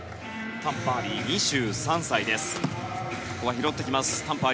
タン・パーリー、２３歳。